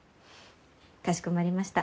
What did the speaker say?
かしこまりました。